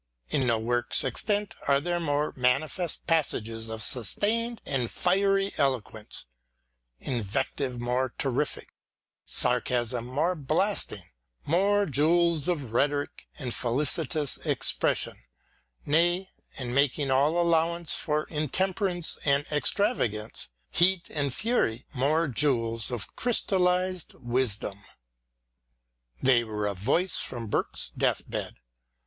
In no works extant are there more magnificent passages of sustained and fiery eloquence, invec tive more terrific, sarcasm more blasting, more jewels of rhetoric and felicitous expression, nay, and making all allowance for intemperance and extravagance, heat and fury, more jewels of crystallised wisdom. They were a voice from Burke's deathbed.